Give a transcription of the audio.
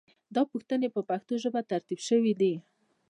دا پوښتنې په پښتو ژبه ترتیب شوې دي.